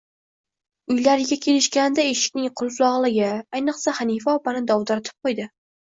Uylariga kelishganida eshikning qulflog`liqligi, ayniqsa, Hanifa opani dovdiratib qo`ydi